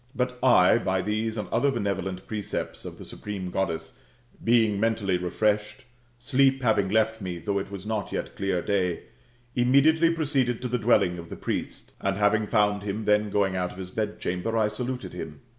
But I, by these and other benevolent precepts of the supreme Goddess, being mentally refreshed, sleep having left me, though it was not yet clear day, immediately proceeded to the dwelling of the priest, and having found him then going out of his bedchamber, I saluted him.